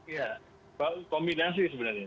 ya kombinasi sebenarnya